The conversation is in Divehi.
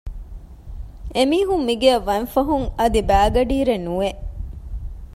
އެ މީހުން މިގެއަށް ވަންފަހުން އަދި ބައިގަޑީއިރެއް ނުވެ